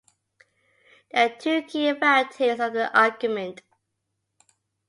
There are two key varieties of the argument.